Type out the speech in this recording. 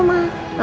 sama papa dan mama